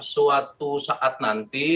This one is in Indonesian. suatu saat nanti